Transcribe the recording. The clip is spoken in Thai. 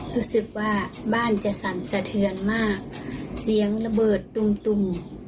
รู้สึกว่าบ้านจะสั่นสะเทือนมากเสียงระเบิดตุ้มตุม